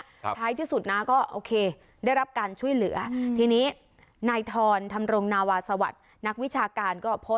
ครับใช้ที่สุดน่าก็ได้รับการช่วยเหลือทีนี้นายทอนพรรมนาวาสวรรค์นักวิชาการนะก็